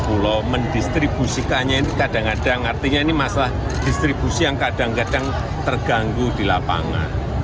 kalau mendistribusikannya ini kadang kadang artinya ini masalah distribusi yang kadang kadang terganggu di lapangan